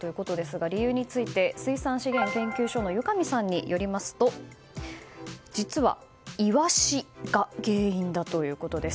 理由について水産資源研究所の由上さんによりますと実はイワシが原因だということです。